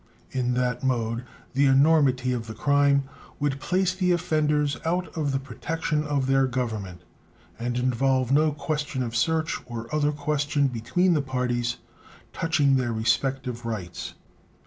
In that mode the enormity of the crime would place the offenders out of the protection of their Government, and involve no question of search or other question between the parties touching their respective rights.